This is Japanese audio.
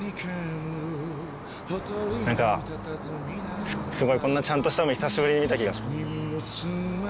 何かこんなちゃんとした海久しぶりに見た気がします。